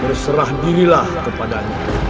terserah dirilah kepadanya